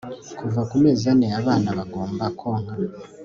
kuva ku mezi ane abana bagomba konka